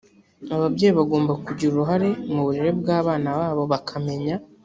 ababyeyi bagomba kugira uruhare mu burere bw abana babo bakamenya